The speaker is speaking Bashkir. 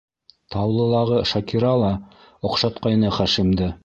Таулылағы Шакира ла оҡшатҡайны Хашимды.